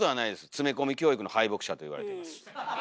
詰め込み教育の敗北者といわれています。